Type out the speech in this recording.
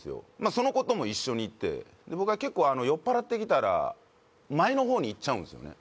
その子とも一緒に行って僕は結構酔っ払ってきたら前の方に行っちゃうんすよね